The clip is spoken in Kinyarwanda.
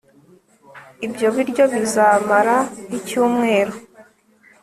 Ibyo biryo bizamara icyumweru